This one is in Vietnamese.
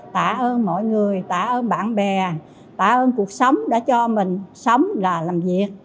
tạ ơn mọi người tạ ơn bạn bè tạ ơn cuộc sống đã cho mình sống và làm việc